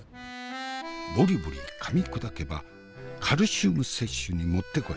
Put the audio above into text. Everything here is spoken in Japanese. ボリボリかみ砕けばカルシウム摂取にもってこい。